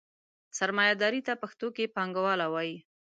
سرمایهداري ته پښتو کې پانګواله وایي.